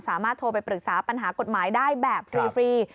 สามารถโทรไปปรึกษาปัญหากฎหมายได้แบบฟรี